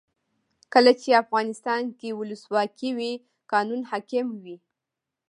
کله چې افغانستان کې ولسواکي وي قانون حاکم وي.